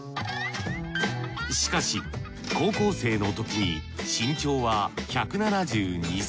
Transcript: しかし高校生のときに身長は１７２ｃｍに。